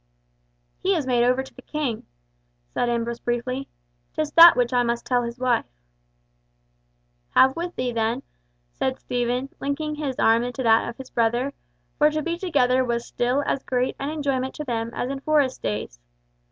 "He is made over to the King," said Ambrose briefly. "'Tis that which I must tell his wife." "Have with thee, then," said Stephen, linking his arm into that of his brother, for to be together was still as great an enjoyment to them as in Forest days.